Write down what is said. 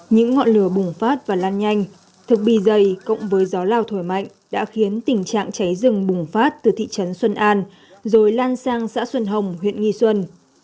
những ngọn lửa bùng phát và lan nhanh thực bì dày cộng với gió lào thổi mạnh đã khiến tình trạng cháy rừng bùng phát từ thị trấn xuân an rồi lan sang xã xuân hồng huyện nghi xuân